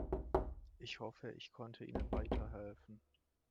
Ich hoffe, ich konnte ihnen weiterhelfen.